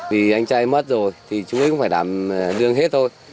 vì anh trai mất rồi thì chúng ấy cũng phải đảm dương hết thôi